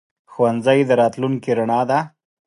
ښوونځی د راتلونکي رڼا ده.